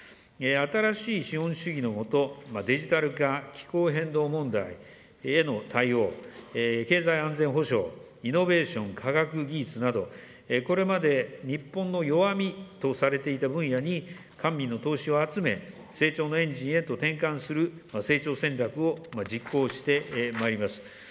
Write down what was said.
新しい資本主義の下、デジタル化、気候変動問題への対応、経済安全保障、イノベーション、科学技術など、これまで日本の弱みとされていた分野に、官民の投資を集め、成長のエンジンへと転換する成長戦略を実行してまいります。